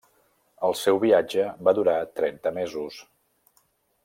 El seu viatge va durar trenta mesos.